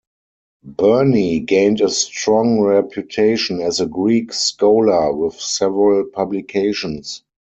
Burney gained a strong reputation as a Greek scholar with several publications.